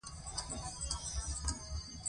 محمود حاجي میرویس خان زوی او با جرئته ځوان و.